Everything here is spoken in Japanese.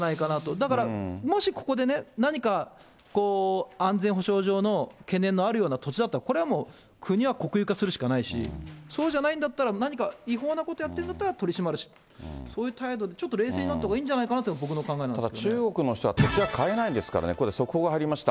だから、もしここでね、何か安全保障上の懸念のあるような土地だったら、これはもう国は国有化するしかないし、そうじゃないんだったら、何か違法なことやってんだったら、取り締まる、そういう態度で、ちょっと冷静になったほうがいいんじゃないかなというのが、ただ中国の人は土地は買えないですからね、ここで速報が入りました。